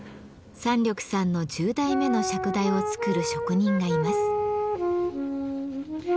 山緑さんの１０台目の釈台を作る職人がいます。